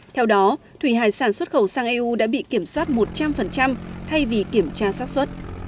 theo đó thủy hải sản xuất khẩu sang eu đã bị kiểm soát một trăm linh thay vì kiểm tra sát xuất